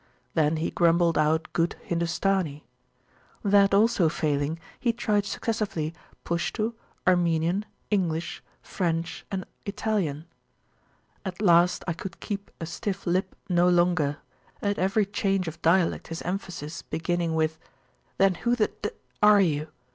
Then he grumbled out good Hindustani. That also failing, he tried successively Pushtu, Armenian, English, French, and Italian. At last I could keep a stiff lip no longer; at every change of dialect his emphasis beginning with Then who the d are you?